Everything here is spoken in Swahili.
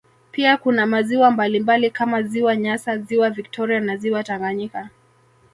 Pia kuna maziwa mbalimbali kama ziwa nyasa ziwa victoria na ziwa Tanganyika